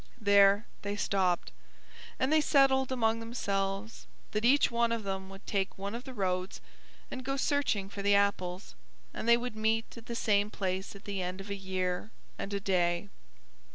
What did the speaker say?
There they stopped, and they settled among themselves that each one of them would take one of the roads and go searching for the apples, and they would meet at the same place at the end of a year and a day.